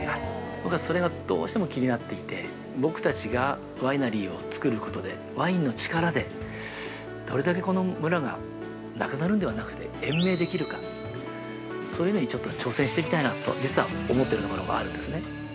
僕は、それがどうしても気になっていて僕たちがワイナリーをつくることでワインの力でどれだけこの村がなくなるんではなくて延命できるかそういうのにちょっと挑戦してみたいなと実は思ってるところもあるんですね。